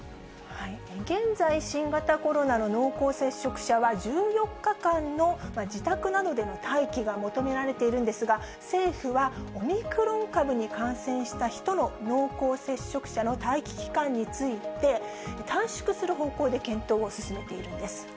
現在、新型コロナの濃厚接触者は１４日間の自宅などでの待機が求められているんですが、政府はオミクロン株に感染した人の濃厚接触者の待機期間について、短縮する方向で検討を進めているんです。